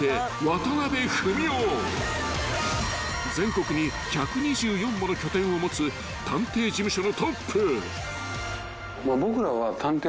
［全国に１２４もの拠点を持つ探偵事務所のトップ］